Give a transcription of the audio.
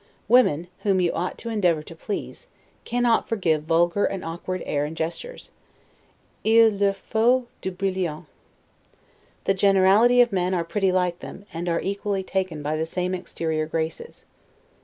Women, whom you ought to endeavor to please, cannot forgive vulgar and awkward air and gestures; 'il leur faut du brillant'. The generality of men are pretty like them, and are equally taken by the same exterior graces.